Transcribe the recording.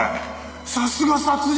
さすが殺人者の。